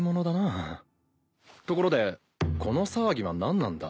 ところでこの騒ぎは何なんだ？